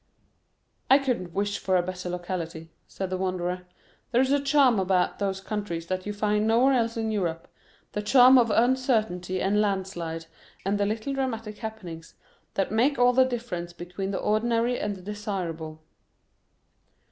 "It couldn't wish for a better locality," said the Wanderer; "there is a charm about those countries that you find nowhere else in Europe, the charm of uncertainty and landslide, and the little dramatic happenings that make all the difference between the ordinary and the desirable."